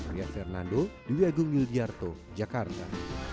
saya fernando di wg miljarto jakarta